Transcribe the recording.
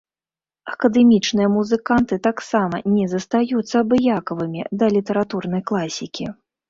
Акадэмічныя музыканты таксама не застаюцца абыякавымі да літаратурнай класікі.